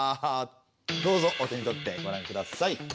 どうぞお手に取ってごらんください。